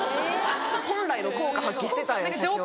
本来の効果発揮してたんや写経の。